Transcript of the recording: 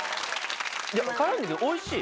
辛いんですけどおいしい。